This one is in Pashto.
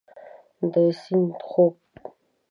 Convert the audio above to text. د سیند خوب